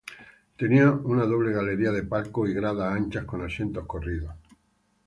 Tenía una doble galería de palcos y gradas anchas con asientos corridos.